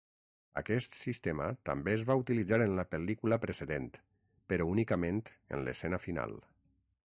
Aquest sistema també es va utilitzar en la pel·lícula precedent, però únicament en l'escena final.